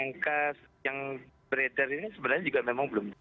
angka yang beredar ini sebenarnya juga memang belum